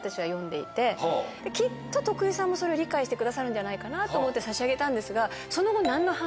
きっと徳井さんもそれを理解してくださるんじゃないかと思って差し上げたんですがその後。